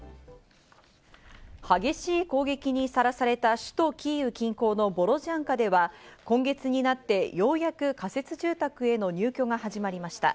激しい攻撃にさらされた首都キーウ近郊のボロジャンカでは、今月になって、ようやく仮設住宅への入居が始まりました。